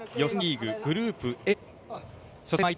予選リーグ、グループＡ。